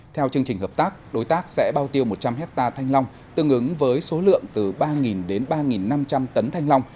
theo chương trình hợp tác đối tác sẽ bao tiêu một trăm linh hectare thanh long tương ứng với số lượng từ ba đến ba năm trăm linh tấn thanh long